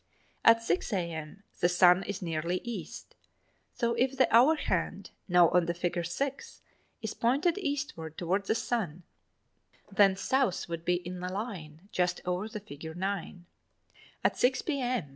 At 6 a.m. the sun is nearly East, so if the hour hand, now on the figure 6 is pointed eastward toward the sun, then South would be in a line just over the figure 9. At 6 p.m.